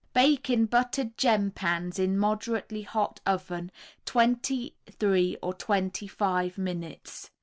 Bake in buttered gem pans in moderately hot oven twenty three or twenty five minutes.